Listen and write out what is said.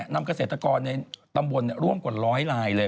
นำเกษตรกรในตำบลร่วมกว่าร้อยลายเลย